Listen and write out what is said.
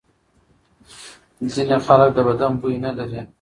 ځینې خلک د بدن بوی نه لري.